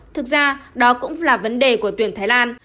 thực ra đó cũng là vấn đề của tuyển thái lan